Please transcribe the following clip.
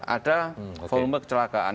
ada volume kecelakaan